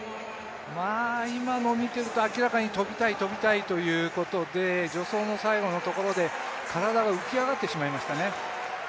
今の見ていると明らかに跳びたい、跳びたいということで、最後のところで体が浮き上がってしまいましたね。